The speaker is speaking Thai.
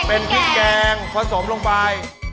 เป็นพริกแกงผสมลงไป